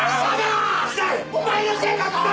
お前のせいだぞ！